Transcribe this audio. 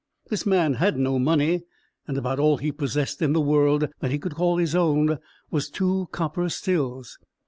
This man had no money and about all he possessed in the world that he could call his own was two copper stills.